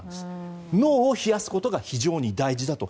脳を冷やすことが非常に大事だと。